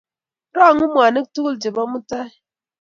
Rongu mwanik tugul chebo mutai